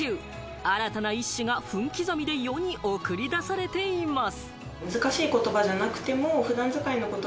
新たな一首が分刻みで世に送り出されています。